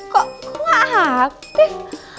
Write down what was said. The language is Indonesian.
kok ga aktif